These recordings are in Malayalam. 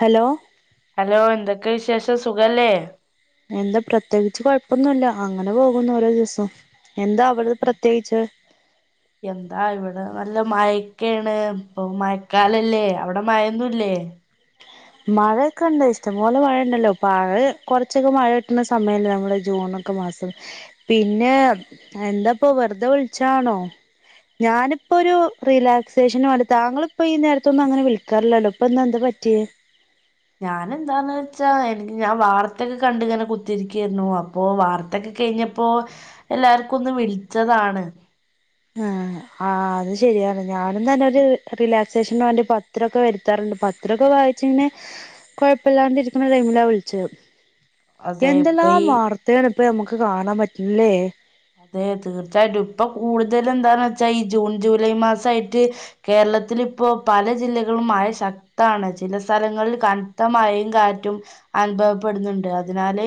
ഹലോ. ഹലോ എന്തൊക്കെ വിശേഷം സുഖല്ലേ? എന്താ പ്രത്യേകിച്ച് കൊഴപ്പൊന്നുല്ല. അങ്ങനെ പോകുന്നു ഓരോ ദിവസം. എന്താ അവിടെ അതെ പ്രത്യേകിച്ച് എന്താ ഇവിടെ നല്ല മയക്കെണ് ഇപ്പൊ മയക്കാലല്ലേ അവിടെ മയൊന്നുംല്ലേ? മഴയക്കെണ്ട് ഇഷ്ടംപോലെ മഴ ണ്ടല്ലോ പഴ കുറച്ചൊക്കെ മഴ കിട്ടണ സമയല്ലേ നമ്മുടെ ജൂണൊക്കെ മാസം പിന്നെ എന്താപ്പൊ വെറുതെ വിളിച്ചാണോ? ഞാനിപ്പോ ഒരു റിലാക്സേഷന് വേണ്ടി താങ്കളിപ്പോ ഈ നേരത്തൊന്നും അങ്ങനെ വിളിക്കാറില്ലല്ലോ ഇപ്പൊ ന്ന് എന്താ പറ്റിയേ? ഞാന് എന്താന്ന് വച്ചാ എനിക്ക് ഞാ വാർത്തക്കെ കണ്ടിങ്ങനെ കുത്തിരിക്കരുന്നു അപ്പൊ വാർത്തെക്കെ കഴിഞ്ഞപ്പോ എല്ലാർക്കും ഒന്ന് വിളിച്ചതാണ്. ആ ആഹ് അത് ശരിയാണ് ഞാനും തന്നെ ഒരു റിലാക്സേഷൻ വേണ്ടി പത്രൊക്കെ വരുത്താറുണ്ട്. പത്രൊക്കെ വായിച്ചിങ്ങനെ കൊഴപ്പില്ലാണ്ട് ഇരിക്കണ ടൈമിലാ വിളിച്ചത്. അതെ ഇപ്പൊ എന്തെല്ലാം ഈ വാർത്തെ ഇപ്പ അമുക്ക് കാണാൻ പറ്റില ല്ലേ? അതെ തീർച്ചായിട്ടും ഇപ്പ കൂടുതല് എന്താന്ന് വെച്ചാ ഈ ജൂൺ ജൂലൈ മാസയിട്ട് കേരളത്തിലിപ്പോ പല ജില്ലകളും മഴ ശക്താണ്. ചില സ്ഥലങ്ങളിൽ കനത്ത മഴയും കാറ്റും അനുഭവപ്പെടുന്നുണ്ട്. അതിനാല്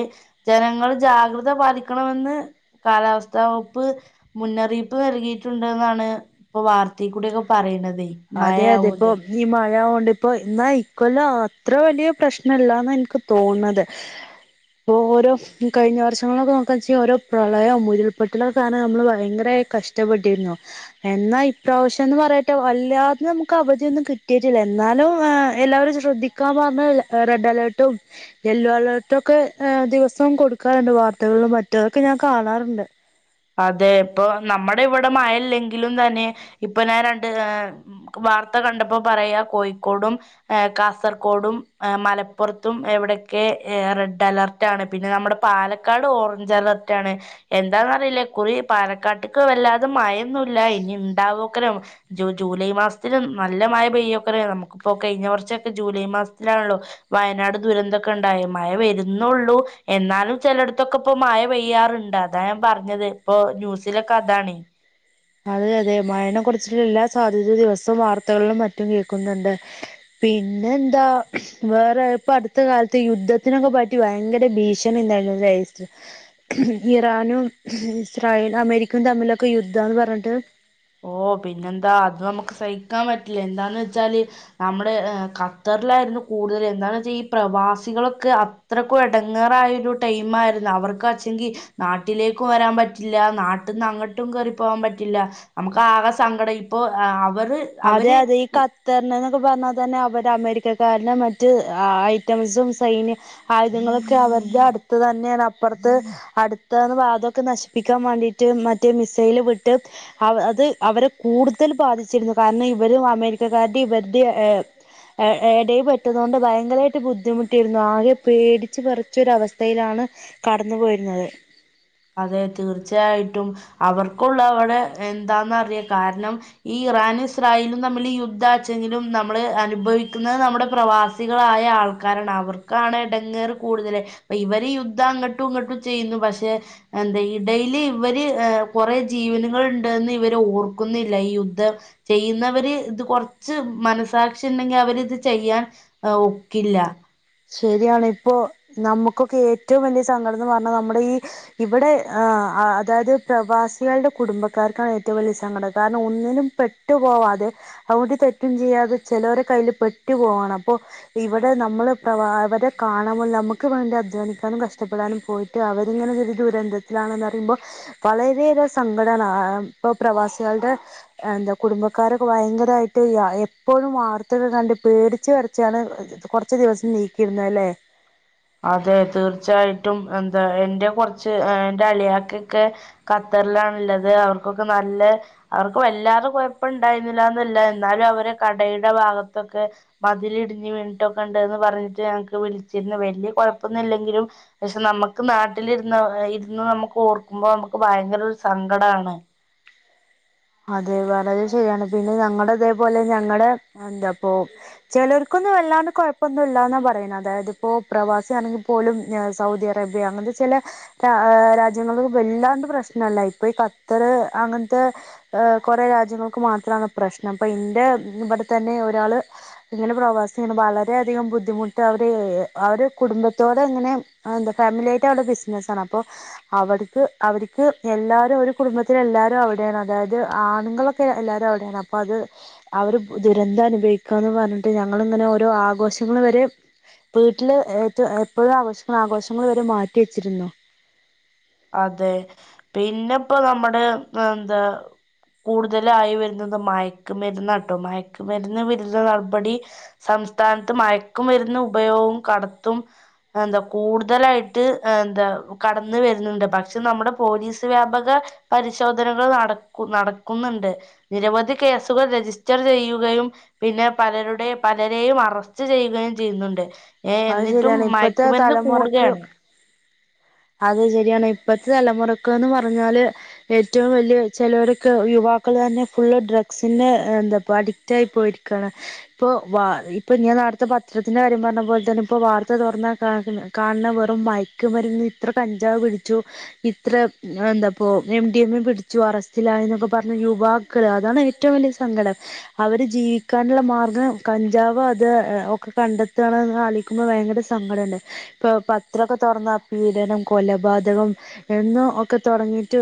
ജനങ്ങൾ ജാഗ്രത പാലിക്കണമെന്ന് കാലാവസ്ഥ വകുപ്പ് മുന്നറിയിപ്പ് നൽകിയിട്ടുണ്ട എന്നാണ് പ്പൊ വാർത്തെക്കൂടൊക്കെ പറയണത്. അതെ അതെ ഇപ്പൊ ഈ മഴആ ഇപ്പൊ എന്നാ ഇക്കൊല്ലം അത്ര വലിയ പ്രശ്നല്ലാന്ന എനിക്ക് തോന്ന്ണത്. ഇപ്പൊ ഓരോ കഴിഞ്ഞ വർഷങ്ങളൊക്കെ നോക്ക വെച്ച ഓരോ പ്രളയം ഉരുൾപൊട്ടലൊക്ക കാർണം നമ്മൾ ഭയങ്കരായി കഷ്ടപ്പെട്ടിരുന്നു. എന്നാ ഇപ്രാവശ്യം എന്ന് പറയട്ടെ വ എല്ലാത്തിനും നമുക്ക് അവധിയൊന്നും കിട്ടിയിട്ടില്ല എന്നാലും എല്ലാവരും ശ്രദ്ധിക്കാൻ പറഞ്ഞ റെഡ് അലർട്ടും യെല്ലോ അലേർട്ടും ഒക്കെ ദിവസം കൊടുക്കാറുണ്ട് വാർത്തകളും മറ്റതൊക്കെ ഞാൻ കാണാറുണ്ട് അതെ ഇപ്പൊ നമ്മുടെ ഇവിടെ മഴ ല്ലങ്കിലും തന്നെ ഇപ്പൊ ഞാൻ രണ്ട് വാർത്ത കണ്ടപ്പോ പറയാ കോഴിക്കോടും കാസർഗോടും മലപ്പുറത്തും എവിടെയൊക്കെ റെഡ് അലർട്ടാണ് പിന്നെ നമ്മുടെ പാലക്കാട് ഓറഞ്ച് അലർട്ടാണ് എന്താന്നറിയില്ല കുറേ പാലക്കാട്ടക്ക് വല്ലാതെ മഴയൊന്നുല്ല ഇനി ഇണ്ടാവോക്കനൂ ജൂലൈ മാസത്തിലും നല്ല മഴ പെയ്യോക്കര നമുക്കിപ്പോൊ കഴിഞ്ഞ കുറച്ചൊക്കെ ജൂലൈ മാസത്തിലാണല്ലോ വയനാട് ദുരന്തൊക്കെ ഉണ്ടായി മഴ വരുന്നുള്ളൂ എന്നാലും ചിലടത്തൊക്കെ ഇപ്പോ മഴ പെയ്യാറുണ്ട് അതാ ഞാൻ പറഞ്ഞത് ഇപ്പൊ ന്യൂസിലൊക്കെ അതാണ് അതെ അതെ മഴനെ കുറിച്ചിട്ടുള്ള എല്ലാ സാധ്യതയും ദിവസവും വാർത്തകളിലും മറ്റും കേൾക്കുന്നുണ്ട് പിന്നെ എന്താ വേറെ ഇപ്പൊ അടുത്ത കാലത്ത് യുദ്ധത്തിനൊക്കെ പറ്റി ഭയങ്കര ഭീഷണി ഇന്തായിരുന്നു ഇറാനും ഇസ്രായേൽ അമേരിക്കയും തമ്മിലൊക്കെ യുദ്ധന്ന് പറ ന്നട്ട് ഓ പിന്നെന്താ അത് നമുക്ക് സഹിക്കാൻ പറ്റില്ല എന്താന്ന് വെച്ചാല് നമ്മുടെ ഖത്തറിലായിരുന്നു കൂടുതൽ എന്താന്ന് വെച്ചാ ഈ പ്രവാസികളൊക്കെ അത്രക്കും എടങ്ങേറായ ഒരു ടൈം ആയിരുന്നു അവർക്ക് ച്ചെങ്കിൽ നാട്ടിലേക്കു വരാൻ പറ്റില്ല നാട്ടിന്ന് അങ്ങട്ടും കേറിപ്പോവാൻ പറ്റില്ല നമുക്ക് ആകെ സങ്കടം ഇപ്പൊ ആ അതെ അതെ ഈ കത്തറി പ്പ പറഞ്ഞാൽ തന്നെ അവടെഅവര്ക്ക് അമേരിക്കക്കാരന മറ്റ് ഐറ്റംസും സൈന്യ ആയുധങ്ങളൊക്കെ അവരുടെ അടുത്ത് തന്നെ അപ്പുറത്ത് അടുത്തന്ന് വാതമൊക്കെ നശിപ്പിക്കാൻ വേണ്ടിട്ട് മറ്റേ മിസൈല് വിട്ട് അത് അവരെ കൂടുതൽ ബാധിച്ചിരുന്നു കാരണം ഇവരും അമേരിക്കക്കാരുടെ ഇവരുടെ ഏ എടേൽ പെട്ടതു കൊണ്ട് ഭയങ്കരമായിട്ട് ബുദ്ധിമുട്ടിരുന്നു ആകെ പേടിച്ചു വിറച്ചൊരു അവസ്ഥയിലാണ് കടന്നു പോയിരുന്നത് അതെ തീർച്ചയായിട്ടും അവർക്കുള്ള അവിടെ എന്താന്ന അറിയാം കാരണം ഈ ഇറാനും ഇസ്രായേലും തമ്മിൽ യുദ്ധാച്ചെങ്കിലും നമ്മള് അനുഭവിക്കുന്നത് നമ്മുടെ പ്രവാസികളായ ആൾക്കാരാണ് അവർക്കാണ് ഇടങ്ങേറ് കൂടുതൽ ഇവര് യുദ്ധം അങ്ങോട്ടും ഇങ്ങോട്ടും ചെയ്യുന്നു പക്ഷെ എന്താ ഇടയില് ഇവര് കൊറേ ജീവനുകൾ ഉണ്ട്ന്ന് ഇവര് ഓർക്കുന്നില്ല ഈ യുദ്ധം ചെയ്യുന്നവര് ഇത് കൊറച്ച് മനസാക്ഷി ഉണ്ടെങ്കി അവര് ഇത് ചെയ്യാൻ ഒക്കില്ല ശരിയാണ് ഇപ്പോ നമുക്കൊക്കെ ഏറ്റവും വലിയ സങ്കടം എന്ന് പറഞ്ഞാ നമ്മുടെ ഈ ഇവിടെ ആ അതായത് പ്രവാസികളുടെ കുടുംബക്കാർക്കാണ് ഏറ്റവും വലിയ സങ്കടം കാരണം ഒന്നിനും പെട്ടു പോവാതെ അ ഒരു തെറ്റും ചെയ്യാതെ ചിലവരെ കയ്യിൽ പെട്ടു പോവാണ് അപ്പോ ഇവിടെ നമ്മള് പ്രവാ അവരെ കാണുമ്പോൾ നമുക്ക് വേണ്ടി അധ്വാനിക്കാനും കഷ്ടപ്പെടാനും പോയിട്ട് അവരിങ്ങനെ ഒരു ദുരന്തത്തിലാണെന്ന് അറിയുമ്പോൾ വളരെയേറെ സങ്കടമാണ് ഇപ്പൊ പ്രവാസികളുടെ എന്ത കുടുംബക്കാരെക്കെ ഭയങ്കരമായിട്ട് എപ്പോഴും വാർത്തകൾ കണ്ട് പേടച്ചു വിറച്ചാണ് കുറച്ച് ദിവസം നീക്കിരുന്നല്ലേ അതെ തീർച്ചയായിട്ടും എന്താ എന്റെ കുറച്ച് എന്റെ അളിയാക്കൊക്കെ കത്തറിലാണുള്ളത് അവർക്കൊക്കെ നല്ല അവർക്ക് വല്ലാത കുഴപ്പം ഇണ്ടായിരുന്നില്ലന്നല്ല എന്നാലും അവരുടെ കടയുടെ ഭാഗത്തൊക്കെ മതിലിടിഞ്ഞ് വീണിട്ടൊക്കെ ഉണ്ടെന്ന് പറഞ്ഞിട്ട് ഞങ്ങക്ക് വിളിച്ചിരുന്ന വല്യ കുഴപ്പൊന്നുല്ലെങ്കിലും പക്ഷെ നമുക്ക് നാട്ടിലിരുന്ന് ഇരുന്ന് നമുക്ക് ഓർക്കുമ്പോ നമുക്ക് ഭയങ്കര ഒരു സങ്കടാണ് അതെ വളരെ ശരിയാണ് പിന്നെ ഞങ്ങടെ തേപോലെ ഞങ്ങടെ എന്താപ്പോ ചിലർക്കൊന്നും വല്ലാണ്ട് കൊഴപ്പൊന്നും ഇല്ലന്നാ പറയുന്നേ അതായത് ഇപ്പൊ പ്രവാസിയല്ലെങ്കിൽ പോലും സൗദി അറേബ്യ അങ്ങനത്തെ ചില രാ രാജ്യങ്ങൾ വല്ലാണ്ട് പ്രശ്നല്ല ഇപ്പൊ ഈ ഖത്തർ അങ്ങൻത്തെ ങ് കുറേ രാജ്യങ്ങൾക്ക് മാത്രമാണ് പ്രശ്നം അപ്പൊ ഇന്റെ ഇവിടെ തന്നെ ഒരാള് ഇങ്ങനെ പ്രവാസിയാണ് വളരെയധികം ബുദ്ധിമുട്ട് അവര് അവര് കുടുംബത്തോടെ ഇങ്ങനെ എന്താ ഫാമിലി ആയിട്ട് അവടെ ബിസിനസാണ് അപ്പൊ അവർക്ക് അവർക്ക് എല്ലാവരും ഒരു കുടുംബത്തിലെ എല്ലാവരും അവിടെയാണ് അതായത് അത് ആണുങ്ങളൊക്കെ എല്ലാരും അവിടെയാണ് അപ്പൊ അത് അവര് ദുരന്തം അനുഭവിക്കാന്ന് പറഞ്ഞിട്ട് ഞങ്ങളിങ്ങനെ ഓരോ ആഘോഷങ്ങൾ വരെ വീട്ടില് ഏ എപ്പോഴും ആഘോഷങ്ങള് ആഘോഷങ്ങൾ വരെ മാറ്റി വെച്ചിരുന്നു അതെ പിന്നെപ്പൊ നമ്മുടെ എന്താ കൂടുതലായി വരുന്നത് മയക്കുമരുന്ന് കേട്ടോ മയക്കുമരുന്ന് വരുന്ന നടപടി സംസ്ഥാനത്ത് മയക്കുമരുന്ന് ഉപയോഗവും കടത്തും എന്താ കൂടുതലായിട്ട് എന്താ കടന്ന് വരുന്ന ണ്ട് പക്ഷെ നമ്മുടെ പോലീസ് വ്യാപക പരിശോധനകൾ നടക്കു നടക്കുന്നുണ്ട് നിരവധി കേസുകൾ രജിസ്റ്റർ ചെയ്യുകയും പിന്നെ പലരുടെ പലരെയും അറസ്റ്റ് ചെയ്യുകയും ചെയ്യുന്നുണ്ട് ഏ അത് എന്നിട്ടും ശരിയാണ് ഇപ്പഴത്തെ മയക്കുമരുന്ന് തലമുറക്ക് കൂടുകയാണ് അത് ശരിയാണ് ഇപ്പഴത്തെ തലമുറക്ക്ന്ന് പറഞ്ഞാല് ഏറ്റവും വലിയ ചിലരൊക്കെ യുവാക്കള് തന്നെ ഫുള്ള് ഡ്രഗ്സിന്റെ എന്താ അഡിക്റ്റ് ആയി പോയിരിക്കയാണ് ഇപ്പൊ വ ഇപ്പൊ ഞാൻ നടത്ത പത്രത്തിന്റെ കാര്യം പറഞ്ഞ പോലെ ഇതാണ് ഇപ്പോ വാർത്ത തുറന്നാ കാണുന്ന വെറും മയക്കുമരുന്ന് ഇത്ര കഞ്ചാവ് പിടിച്ചു ഇത്ര എന്താപ്പോ എം ഡി എം പിടിച്ചു അറസ്റ്റിലായ എന്നൊക്കെ പറഞ്ഞ യുവാക്കള് അതാണ് ഏറ്റവും വലിയ സങ്കടം അവര് ജീവിക്കാനുള്ള മാർഗം കഞ്ചാവ് അത് ഒക്കെ കണ്ടെത്താണെന്ന് അല്ല ക്കുമ്പോ ഭയങ്കര സങ്കടുണ്ട് ഇപ്പ പത്രൊക്കെ തുറന്നാ പീഡനം കൊലപാതകം എന്നും ഒക്കെ തുടങ്ങിയിട്ട്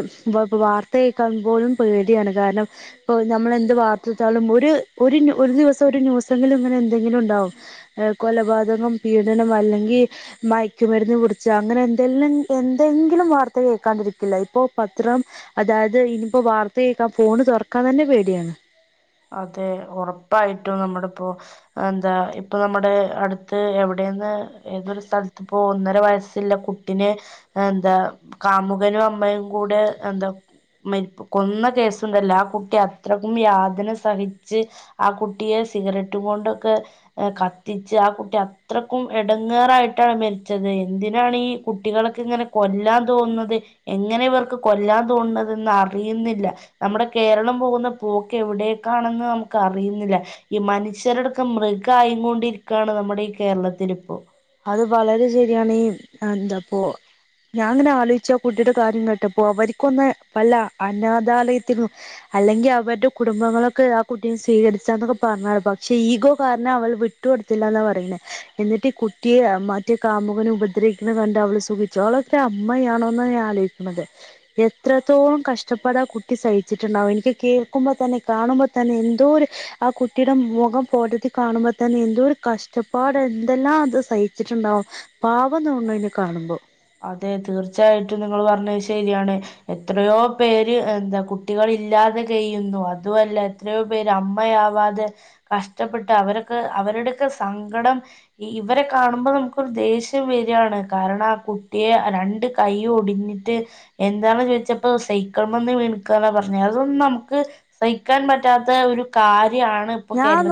വാർത്ത കേക്കാൻ പോലും പേടിയാണ് കാരണം ഇപ്പ നമ്മളെന്ത് വാർത്തയെടുത്താലും ഒര് ഒരു ഒരു ദിവസം ഒരു ന്യൂസെങ്കിലും ഇങ്ങനെ എന്തെങ്കിലും ഉണ്ടാവും കൊലപാതകം പീഡനം അല്ലെങ്കിൽ മയക്കുമരുന്ന് പിടിച്ച അങ്ങനെ എന്തെ എന്തെങ്കിലും വാർത്ത കേക്കാണ്ടിരിക്കില്ല ഇപ്പൊ പത്രം അതായത് ഇനിയിപ്പോ വാർത്ത കേക്കാൻ ഫോണ് തുറക്കാൻ തന്നെ പേടിയാണ് അതെ ഉറപ്പായിട്ടും നമ്മുടെ ഇപ്പൊ എന്താ ഇപ്പൊ നമ്മുടെ അടുത്ത് എവിടെന്ന് ഏതൊരു സ്ഥലത്ത് ഇപ്പൊ ഒന്നര വയസ്സുള്ള കുട്ടിനെ എന്താ കാമുകനും അമ്മയും കൂടെ എന്താ കൊന്ന കേസുണ്ടല്ലോ ആ കുട്ടി അത്രക്കും യാതന സഹിച്ച് ആ കുട്ടിയെ സിഗരറ്റും കൊണ്ടൊക്കെ കത്തിച്ച് ആ കുട്ടി അത്രക്കും എടങ്ങേറായിട്ടാണ് മരിച്ചത് എന്തിനാണ് ഈ കുട്ടികൾക്ക് ഇങ്ങനെ കൊല്ലാൻ തോന്നുന്നത് എങ്ങനെ ഇവർക്ക് കൊല്ലാൻ തോന്നുന്നത് എന്ന് അറിയുന്നില്ല നമ്മുടെ കേരളം പോകുന്ന പോക്കെവിടെ ക്കാണെന്ന് നമുക്ക് അറിയുന്നില്ല ഈ മനുഷ്യരടൊക്കെ മൃഗ ആയിങ്ങൊണ്ടിരിക്കാണ് നമ്മുടെ ഈ കേരളത്തിൽ ഇപ്പോ അത് വളരെ ശരിയാണ് ഈ എന്താപ്പോ ഞാൻ ഇങ്ങനാ ആലോചിച്ചാ കുട്ടിയുടെ കാര്യം കേട്ടപ്പോ അവര്ക്കൊന്ന് വല്ല അനാഥാലയത്തിനും അല്ലെങ്കിൽ അവരുടെ കുടുംബങ്ങളൊക്കെ ആ കുട്ടിയെ സ്വീകരിച്ചാന്നൊക്കെ പറഞ്ഞാണ് പക്ഷെ ഈഗോ കാരണം അവൾ വിട്ടുക കൊടുത്തില്ലന്നാണ് പറയുന്നേ എന്നിട്ട് കുട്ടിയെ മറ്റേ കാമുകനെ ഉപദ്രിക്കുന്നത് കണ്ട് അവള് സൂഖിച്ചു അവളൊത്ര അമ്മയാണോന്നാണ് ഞാൻ ആലോചിക്കണുന്നത് എത്രത്തോളം കഷ്ടപ്പാട ആ കുട്ടി സഹിച്ചിട്ടുണ്ടാവും എനിക്ക് കേൾക്കുമ്പോ തന്നെ കാണുമ്പോ തന്നെ എന്തോ ഒരു ആ കുട്ടിയുടെ മുഖം പോട്ടത്തി കാണുമ്പോ തന്നെ എന്തോ ഒരു കഷ്ടപ്പാട് എന്തെല്ലാം അത് സഹിച്ചിട്ടുണ്ടാവും പാവം തോന്നും അതിനെ കാണുമ്പോ അതെ തീർച്ചയായിട്ടും നിങ്ങൾ പറഞ്ഞത് ശരിയാണ് എത്രയോ പേര് എന്താ കുട്ടികൾ ഇല്ലാതെ കഴിയുന്നു അതുവല്ല എത്രയോ പേര് അമ്മയാവാതെ കഷ്ടപ്പെട്ട് അവരൊക്കെ അവരുടൊക്കെ സങ്കടം ഇവരെ കാണുമ്പോൾ നമുക്കൊരു ദേഷ്യം വരികയാണ് കാരണം ആ കു കുട്ടിയെ രണ്ട് കൈയ്യും ഒടിഞ്ഞിട്ട് എന്താണ് ചോദിച്ചപ്പോ സൈക്കലിന്മേന്ന് വീണക്ക പറഞ്ഞെ അതൊന്നും നമുക്ക് സഹിക്കാൻ പറ്റാത്ത ഒരു കാ ഞാൻ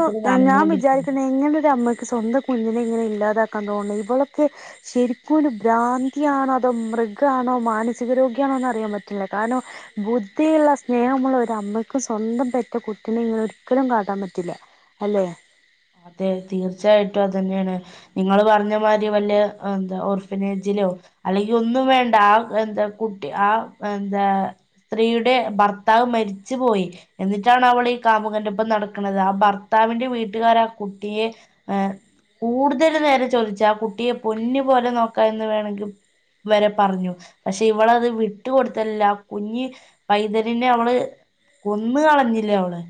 ഞാൻ വിചാരിക്കുന്ന എങ്ങനൊരു അമ്മയ്ക്ക് സന്തം കുഞ്ഞിനെ ഇങ്ങനെ ഇല്ലാതാക്കാൻ തോന്നും ഇബലൊക്കെ ശരിക്കും ഒരു ബ്രാന്തിയാണോ അതോ മൃഗാണോ മാനസികരോഗിയാണോ അറിയാൻ പറ്റില്ല കാരണം ബുദ്ധിയുള്ള സ്നേഹമുള്ള ഒരമ്മക്കും സ്വന്തം പെറ്റ കുട്ട്യാളെ ഒരിക്കലും ക്കാൻ പറ്റില്ല അല്ലേ അതെ തീർച്ചയായിട്ടും അതന്നെയാണ് നിങ്ങൾ പറഞ്ഞമാതിരി വല്ല ഓർഡനേജിലോ അല്ലങ്കി ഒന്നും വേണ്ട ആ എന്ത ആ സ്ത്രീയുടെ ഭർത്താവ് മരിച്ച് പോയി എന്നിട്ടണവളീ കാമുകന്റ പ്പം നടക്ക്ണ്ടത് ആ ഭർത്താവിന്റെ വി ട്ട് കാരാ കുട്ടിയെ എ കൂടുതൽ നേരം ചോതിച്ച് ആ കുട്ടിയെ പൊന്ന് പോലെ നോക്ക എന്ന് പറഞ്ഞിട്ട് വരേ പറഞ്ഞു പക്ഷേ ഇവള അ വിട്ട് കൊട്ത്തല്ല. കുഞ്ഞു പൈതലിനെ അവള് കൊന്ന് കളഞ്ഞില്ലെ അവള്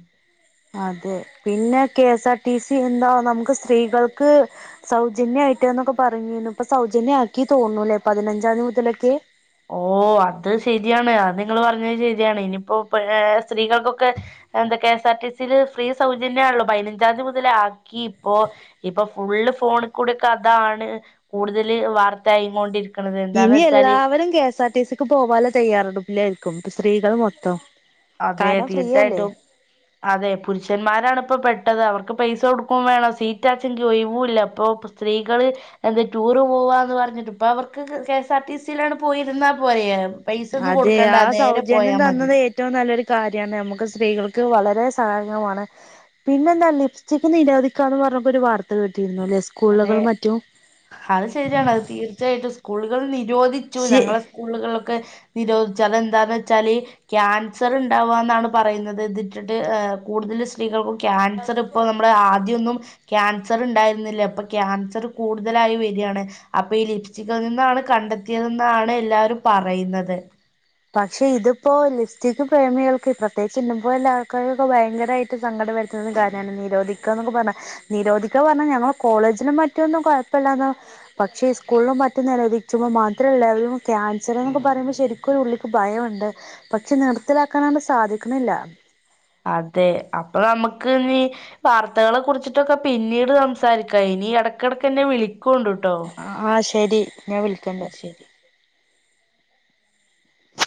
അതെ പിന്നെ കെ സാർ ടി സി എന്തോ നമ്മക്ക് സ്ത്രീകൾക്ക് സൗജന്യയീട്ട് എന്നൊക്കെ പറീണ്ട് അങ്ങനെ ആക്കീന്ന് തോന്ന്ണ്ട് പതിനഞ്ചാന്തി മുതലൊക്കെ ഓഹ് അത് ശെരിയാണ് അത് നിങ്ങള് പറഞ്ഞത് ശെരിയാണ്, ഇനിപ്പോ സ്ത്രീകൾക്കൊക്കെ എന്താ കെ എസ് ആർ ടി സിയില് ഫ്രീ സൗജന്യം ആണല്ലോ പയിനഞ്ചാം തി മുതൽ ആക്കിപ്പോ ഇപ്പൊ ഫുള്ള് ഫോണിക്കൂടെ അതാണ്‌ കൂടുതല് വാർത്തയായികൊണ്ടിരി ഇനി എല്ലാവരും കെ സാ ടി സി ക്ക് പോകാലോ തയ്യാറെടുപ്പിലായിരിക്കും ഇപ്പ സ്ത്രീകൾ മൊത്തം. അതെ കാരണം ഫ്രീ അല്ലേ തീർച്ചയായിട്ടും അതെ പുരുഷന്മാരാണ് ഇപ്പോ പെ ട്ടത് അവർക്ക് പൈസ കൊടുക്കും വേണം സീറ്റാച്ചെങ്കി ഒഴിവൂല്ല അപ്പൊ സ്ത്രീകള് എന്താ ടൂറ് പോവാ എന്ന് പറഞ്ഞിട്ട് ഇപ്പൊ അവർക്ക് കെ എസ് ആർ ടി സിയിലാട് പോയിരുന്നാ പോലെ. അതെ ആ സൗജന്യം തന്നത് ഏറ്റവും നല്ലൊരു കാര്യമാണ് നമുക്ക് സ്ത്രീകൾക്ക് വളരെ സഹായകമാണ് പിന്നെ എന്താ ലിപ്സ്റ്റിക് നിരോധിക്കാന്ന് പറഞ്ഞൊക്കെ ഒരു വാർത്ത കേട്ടിരുന്നു അല്ലേ? അതെ അത് ശരിയാണ് അത് തീർച്ചയായിട്ടും സ്കൂളുകൾ നിരോധിച്ചു ശെ ഞങ്ങളെ സ്കൂളുകളിലൊക്കെ നിരോധിച്ചതെന്താന്ന് വെച്ചാല് ക്യാൻസർ ഉണ്ടാവുക എന്നാണ് പറയുന്നത് ഇതിട്ടിട്ട് കൂടുതൽ സ്ത്രീകൾക്കു ക്യാൻസർ ഇപ്പോൾ നമ്മുടെ ആദ്യമൊന്നും ക്യാൻസർ ഉണ്ടായിരുന്നില്ല അപ്പൊ ക്യാൻസർ കൂടുതലായി വരികയാണ് അപ്പൊ ഈ ലിപ്സ്റ്റിക്കിൽ നിന്നാണ് കണ്ടെത്തിയതെന്നാണ് എല്ലാരും പറയുന്നത്. പക്ഷേ ഇതിപ്പോ ലിപ്സ്റ്റിക് പ്രേമികൾക്ക് പ്രത്യേകിച്ച് ഇന്നേം പോലുള്ള ആൾക്കാൊക്കെ ഭയങ്കരമായിട്ട് സങ്കടം വരുത്തുന്ന കാര്യാണ് നിരോധിക്കാന്നൊക്കെ പറഞ്ഞാ നിരോധിക്ക പറഞ്ഞാ ഞങ്ങള കോളേജിനും മറ്റു ഒന്നും കുഴപ്പല്ലാത് പക്ഷേ സ്കൂളിലും മറ്റും നിരോധിക്കുമ്പോൾ മാത്രമല്ല അവരും ക്യാൻസർ എന്നൊക്കെ പറയുമ്പോ ശരി ക്കും ഉള്ളിക്ക് ഭയയുണ്ട് പക്ഷേ നിർത്തലാക്കാണ് സാധിക്കണില്ല. അതെ അപ്പൊ നമുക്ക് ഇനി വാർത്തകളെ കുറിച്ചിട്ടൊക്കെ പിന്നീട് സംസാരിക്കാം ഇനി ഇടക്കിടക്കെന്നെ വിളി ക്കോണ്ടുട്ടോ. ആ ശരി. ഞാൻ വിളിക്കണ്ട്.